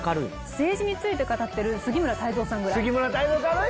政治について語ってる杉村太蔵さんぐらい。